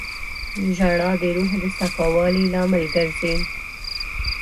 • ژړا د روح د صفا والي لامل ګرځي.